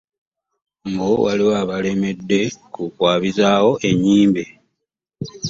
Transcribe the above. Mbu waliwo abalemedde ku kwabizaawo ennyimbe.